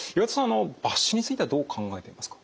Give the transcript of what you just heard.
あの抜歯についてはどう考えてますか？